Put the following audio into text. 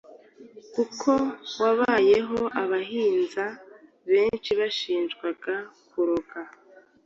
kuko wabayeho abahinza benshi bashinjwaga kuroga,